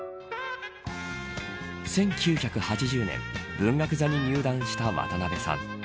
１９８０年文学座に入団した渡辺さん。